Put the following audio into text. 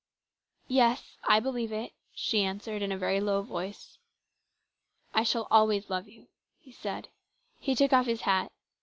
"" Yes, I believe it," she answered, in a very low voice. " I shall always love you," he said. He took off his hat.